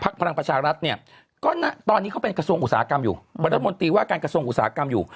ก็เนี่ยตอนนี้เขาเป็นกระทรวงอุตสาหกรรมอยู่หรือว่าการกระทรวงอุตสาหกรรมอยู่